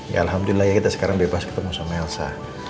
ya alhamdulillah ya kita sekarang bebas ketemu sama elsa